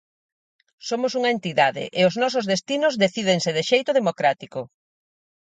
Somos unha entidade e os nosos destinos decídense de xeito democrático.